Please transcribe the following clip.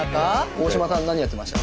大島さん何やってました？